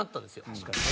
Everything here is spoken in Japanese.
確かにね。